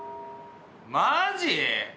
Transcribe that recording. マジ？